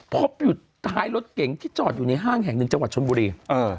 พบอยู่ท้ายรถเก๋งที่จอดอยู่ในห้างแห่งหนึ่งจังหวัดชนบุรี